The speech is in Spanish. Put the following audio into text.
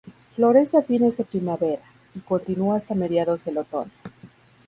Florece a fines de primavera, y continua hasta mediados del otoño.